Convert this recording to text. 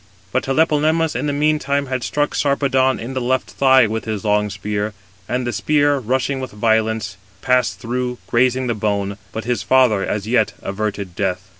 But Tlepolemus in the meantime had struck Sarpedon in the left thigh with his long spear; and the spear, rushing with violence, passed through, grazing the bone: but his father as yet averted death.